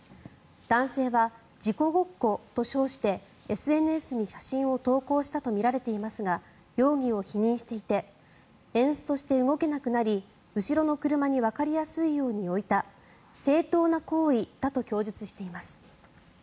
男性は事故ごっこと称してＳＮＳに写真を投稿したとみられていますが容疑を否認していてエンストして動けなくなり後ろの車にわかりやすいように置いた正当な行為だと供述しています。